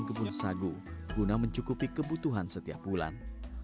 mereka memiliki beberapa bidang kebun sagu guna mencukupi kebutuhan setiap bulan